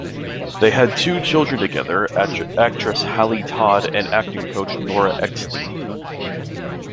They had two children together, actress Hallie Todd and acting coach Nora Eckstein.